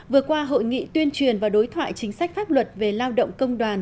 vừa qua hội nghị tuyên truyền và đối thoại chính sách pháp luật về lao động công đoàn